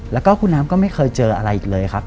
แล้วก็คุณน้ำก็ไม่เคยเจออะไรอีกเลยครับ